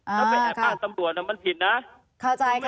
อ่าถ้าไปแอบอ้างตำรวจจะมันผิดนะขอเจ้าค่ะ